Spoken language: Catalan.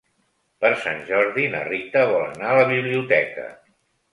Per Sant Jordi na Rita vol anar a la biblioteca.